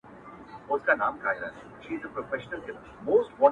په یوه او بل نامه یې وو بللی!.